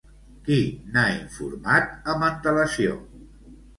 Qui n'ha informat amb antelació?